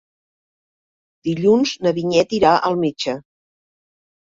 Dilluns na Vinyet irà al metge.